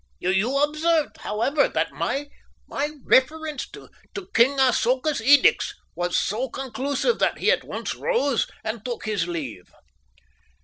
You observed, however, that my reference to King Asoka's edicts was so conclusive that he at once rose and took his leave."